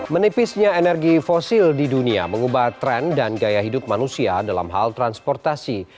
menipisnya energi fosil di dunia mengubah tren dan gaya hidup manusia dalam hal transportasi